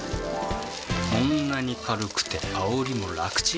こんなに軽くてあおりも楽ちん！